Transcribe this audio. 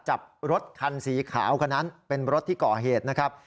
จับรถคันสีขาวคนนั้นเป็นรถที่ก่อเหตุนะครับ